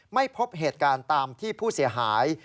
ไม่พบเหตุการณ์ตามที่ผู้เสียหาย